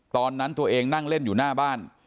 ตอนนั้นตัวเองนั่งเล่นอยู่หน้าบ้าน